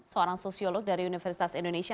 seorang sosiolog dari universitas indonesia